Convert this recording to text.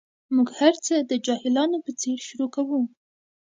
موږ هر څه د جاهلانو په څېر شروع کوو.